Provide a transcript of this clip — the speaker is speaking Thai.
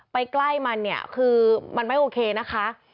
ไปใกล้มันคือมันไม่โอเคนะคะ